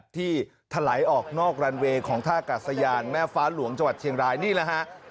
ถลายออกนอกรันเวย์ของท่ากาศยานแม่ฟ้าหลวงจังหวัดเชียงรายนี่แหละฮะ